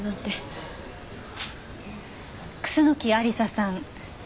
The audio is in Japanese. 楠木亜理紗さん。